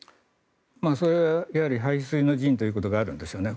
それは、やはり背水の陣ということがあるんでしょうね。